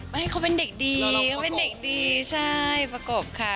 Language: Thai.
ไม่เขาเป็นเด็กดีใช่ประกบค่ะ